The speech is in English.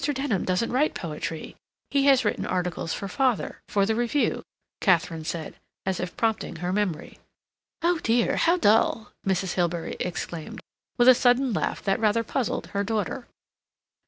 Denham doesn't write poetry; he has written articles for father, for the Review," Katharine said, as if prompting her memory. "Oh dear! How dull!" Mrs. Hilbery exclaimed, with a sudden laugh that rather puzzled her daughter.